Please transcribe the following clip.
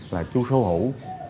là chú sâu hữu